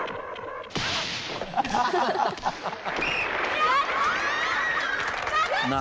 やったー！